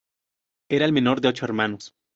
Era el menor de ocho hermanos.